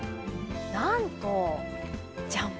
なんとジャン！